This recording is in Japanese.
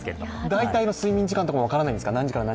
大体の睡眠時間とかも分からないんですか？